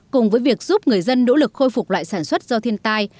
cùng với việc giúp người dân nỗ lực khôi phục lại sản xuất do thiên tai